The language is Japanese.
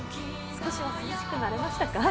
少しは涼しくなれましたか？